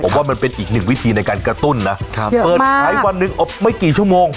ผมว่ามันเป็นอีกหนึ่งวิธีในการกระตุ้นนะครับเปิดขายวันหนึ่งอบไม่กี่ชั่วโมง